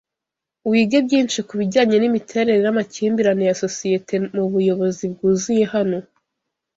Wige byinshi kubijyanye nimiterere namakimbirane ya societe mubuyobozi bwuzuye hano